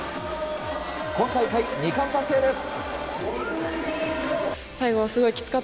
今大会２冠達成です。